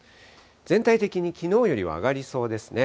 全体的にきのうよりは上がりそうですね。